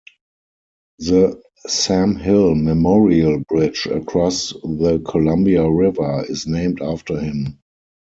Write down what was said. The Sam Hill Memorial Bridge across the Columbia River is named after him.